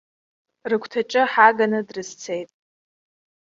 Рыгәҭаҿы ҳааганы дрызцеит.